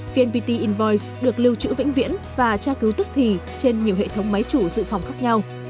vnpt invoice được lưu trữ vĩnh viễn và tra cứu tức thì trên nhiều hệ thống máy chủ dự phòng khác nhau